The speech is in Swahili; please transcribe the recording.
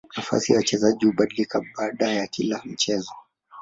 Nafasi ya wachezaji hubadilika baada ya kila mchezo.